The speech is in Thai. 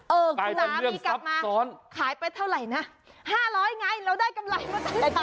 สามีกลับมาขายไปเท่าไหร่นะ๕๐๐ไงเราได้กำไรมาเท่าไหร่